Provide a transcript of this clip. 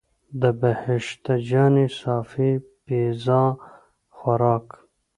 د بهشته جانې صافی پیزا خوراک.